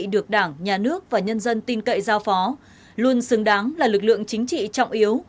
được đảng nhà nước và nhân dân tin cậy giao phó luôn xứng đáng là lực lượng chính trị trọng yếu